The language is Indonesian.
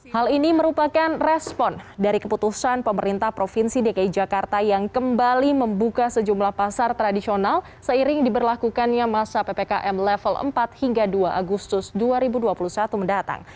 hal ini merupakan respon dari keputusan pemerintah provinsi dki jakarta yang kembali membuka sejumlah pasar tradisional seiring diberlakukannya masa ppkm level empat hingga dua agustus dua ribu dua puluh satu mendatang